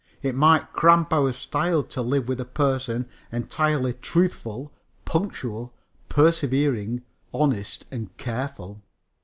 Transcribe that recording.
It might cramp our style to live with a person entirely truthful, punctual, persevering, honest and careful.